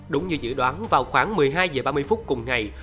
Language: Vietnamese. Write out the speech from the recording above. đúng như dự đoán vào khoảng một mươi hai h ba mươi phút cùng ngày